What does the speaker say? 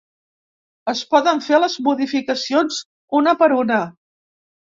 Es poden fer les modificacions una per una.